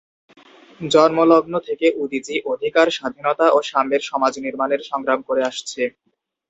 জন্মলগ্ন থেকে উদীচী অধিকার, স্বাধীনতা ও সাম্যের সমাজ নির্মাণের সংগ্রাম করে আসছে।